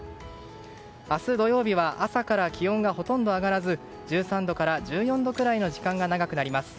明日土曜日は朝から気温がほとんど上がらず１３度から１４度くらいの時間が長くなります。